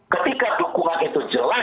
ketika dukungan itu diadakan